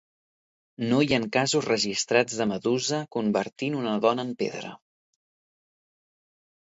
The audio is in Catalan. No hi han casos registrats de Medusa convertint una dona en pedra.